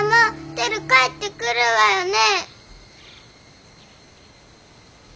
テル帰ってくるわよね？